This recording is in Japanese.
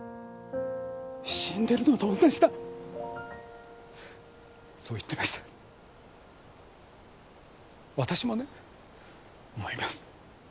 死んでるのと同じだそう言ってました私もね思います